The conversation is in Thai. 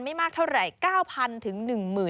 ไม่มากเท่าไหร่๙๐๐๑๐๐